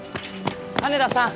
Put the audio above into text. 羽田さん！